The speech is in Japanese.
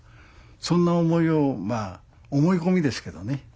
そんな思いをまぁ思い込みですけどね